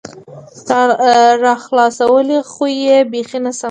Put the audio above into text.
راخلاصولى خو يې بيخي نشم